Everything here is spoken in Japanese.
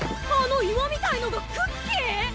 あの岩みたいのがクッキー！？